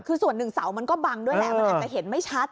คือส่วนหนึ่งเสามันก็บังด้วยแหละมันอาจจะเห็นไม่ชัด